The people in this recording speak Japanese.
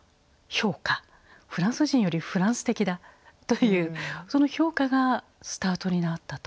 「フラン人よりフランス的だ」というその評価がスタートになったと。